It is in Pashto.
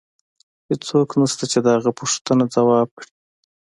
هیڅوک نشته چې د هغه پوښتنه ځواب کړي